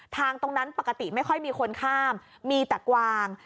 ตรงนั้นปกติไม่ค่อยมีคนข้ามมีแต่กวาง